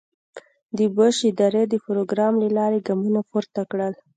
د بوش ادارې د پروګرام له لارې ګامونه پورته کړل.